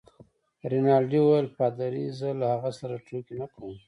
رینالډي وویل: پادري؟ زه له هغه سره ټوکې نه کوم.